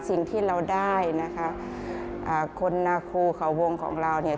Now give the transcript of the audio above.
สิ่งที่เราได้นะคะอ่าคนนาโคเขาวงของเราเนี่ย